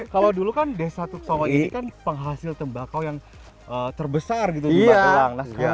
kalau dulu kan desa tuksowa ini kan penghasil tembakau yang terbesar gitu di magelang